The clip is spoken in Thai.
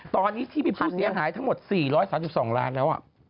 ตอนนี้ที่มีผู้เสียหายทั้งหมด๔๓๒ล้านแล้ว